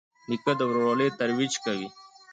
نیکه د ورورولۍ ترویج کوي.